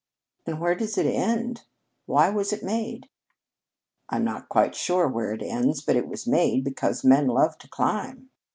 "And where does it end? Why was it made?" "I'm not quite sure where it ends. But it was made because men love to climb."